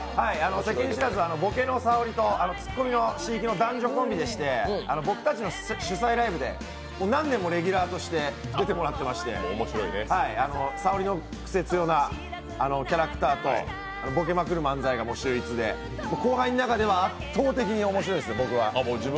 ボケのさおりと、ツッコミの椎木の男女コンビでして僕たちの主催ライブで何年もレギュラーで出てもらってましてさおりのクセつよなキャラクターとボケまくる漫才が秀逸で、後輩の中では圧倒的に面白いですね、僕は。